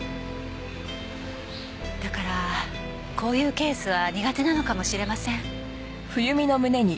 だからこういうケースは苦手なのかもしれません。